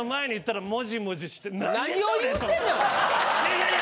いやいや。